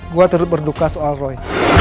gue turut berduka soal roy